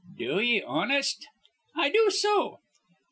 "Do ye, honest?" "I do so."